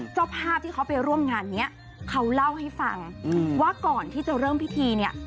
เจ้าภาพที่เขาไปร่วมงานเนี้ยเขาเล่าให้ฟังว่าก่อนที่จะเริ่มพิธีเนี่ย